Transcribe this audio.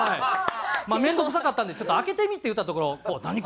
まあ面倒くさかったんで「開けてみ？」って言うたところ「何？